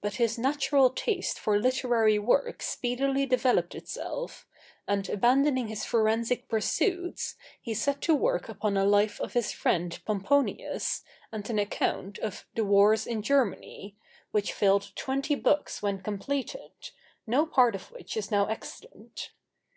But his natural taste for literary work speedily developed itself, and, abandoning his forensic pursuits, he set to work upon a life of his friend Pomponius and an account of "The Wars in Germany," which filled twenty books when completed, no part of which is now extant.